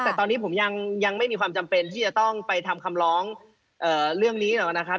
แต่ตอนนี้ผมยังไม่มีความจำเป็นที่จะต้องไปทำคำร้องเรื่องนี้หรอกนะครับ